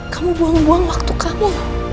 kamu buang buang waktu kamu